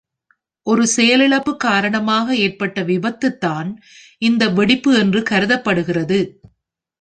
ஒரு செயலிழப்பு காரணமாக ஏற்பட்ட விபத்துதான் இந்த வெடிப்பு என்று கருதப்படுகிறது.